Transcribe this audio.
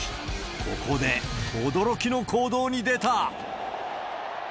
ここで驚きの行動に出た。